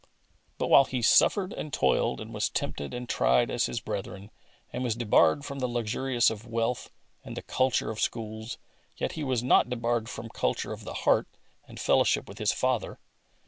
But while He suffered and toiled and was tempted and tried as His brethren, and was debarred from the luxuries of wealth and the culture of schools, yet He was not debarred from culture of the heart and fellowship with His Father.